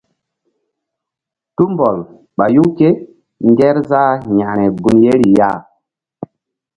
Tumbɔl ɓayu kéngerzah yȩkre gun yeri ya.